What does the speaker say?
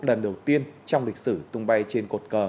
lần đầu tiên trong lịch sử tung bay trên cột cờ